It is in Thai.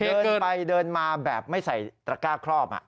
เดินไปเดินมาแบบไม่ใส่ตระก้าครอบ